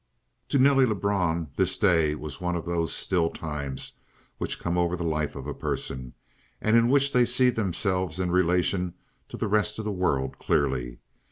To Nelly Lebrun this day was one of those still times which come over the life of a person, and in which they see themselves in relation to the rest of the world clearly.